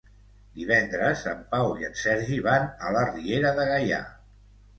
Divendres en Pau i en Sergi van a la Riera de Gaià.